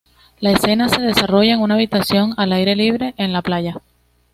La escena se desarrolla en una habitación al aire libre en la playa.